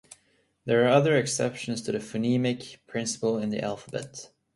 There are other exceptions to the phonemic principle in the alphabet.